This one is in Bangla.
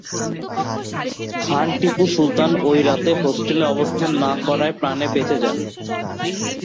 খান টিপু সুলতান ঐ রাতে হোস্টেলে অবস্থান না করায় প্রাণে বেঁচে যান।